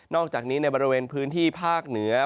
อกจากนี้ในบริเวณพื้นที่ภาคเหนือ